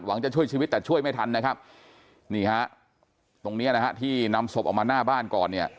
หวังจะช่วยชีวิตแต่ช่วยไม่ทันนะครับตรงนี้ที่นำศพออกมาหน้าบ้านก่อน